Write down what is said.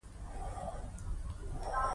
تبخیر د مایع د ګاز کېدو عمل دی.